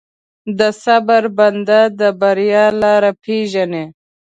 د صبر بنده، د بریا لاره پېژني.